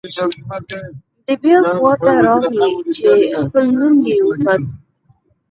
دی بیا خوا ته راغی چې خپل نوم یې وکوت.